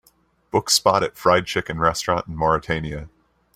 Book spot at Fried chicken restaurant in Mauritania